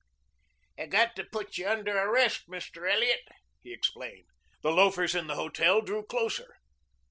"I got to put you under arrest, Mr. Elliot," he explained. The loafers in the hotel drew closer.